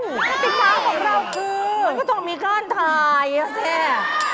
กติกาของเราคือมันก็ต้องมีการถ่ายอ่ะสิ